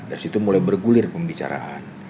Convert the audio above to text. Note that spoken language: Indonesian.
dari situ mulai bergulir pembicaraan